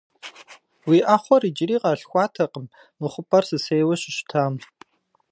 Уи Ӏэхъуэр иджыри къалъхуатэкъым, мы хъупӀэр сысейуэ щыщытам.